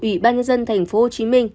ủy ban nhân dân tp hcm